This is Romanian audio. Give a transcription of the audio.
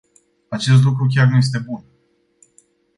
Acest lucru chiar nu este bun.